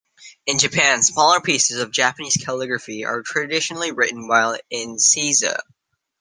In Japan, smaller pieces of Japanese calligraphy are traditionally written while in seiza.